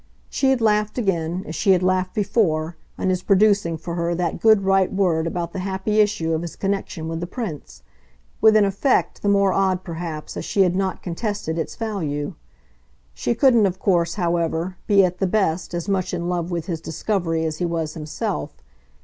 She had laughed again, as she had laughed before, on his producing for her that good right word about the happy issue of his connection with the Prince with an effect the more odd perhaps as she had not contested its value. She couldn't of course, however, be, at the best, as much in love with his discovery as he was himself.